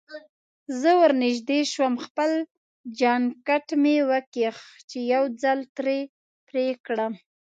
زه ورنژدې شوم، خپل جانکټ مې وکیښ چې یو څه ترې پرې کړم.